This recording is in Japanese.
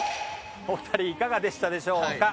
お二人いかがでしたでしょうか？